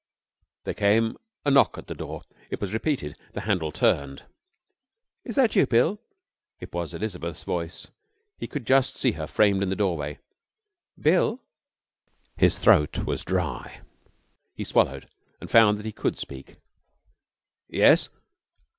There came a knock at the door. It was repeated. The handle turned. 'Is that you, Bill?' It was Elizabeth's voice. He could just see her, framed in the doorway. 'Bill!' His throat was dry. He swallowed, and found that he could speak. 'Yes?'